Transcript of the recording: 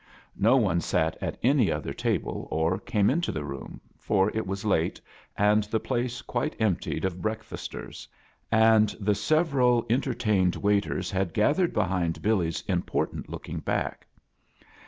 No one sat at any other table or came into the room, for it was late, and the place quite emptied of breakfasters, and the several entertained waiters had gatfiered behind Billy's important looking back.